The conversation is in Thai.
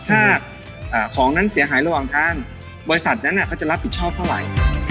ถ้าของนั้นเสียหายระหว่างทางบริษัทนั้นเขาจะรับผิดชอบเท่าไหร่